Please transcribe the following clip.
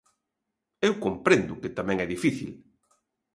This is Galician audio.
Eu comprendo que tamén é difícil.